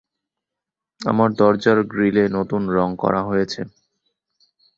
আমার দরজার গ্রিলে নতুন রং করা হয়েছে।